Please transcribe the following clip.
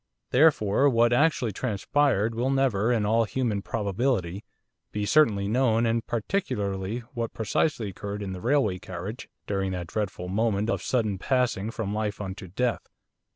Therefore what actually transpired will never, in all human probability, be certainly known and particularly what precisely occurred in the railway carriage during that dreadful moment of sudden passing from life unto death.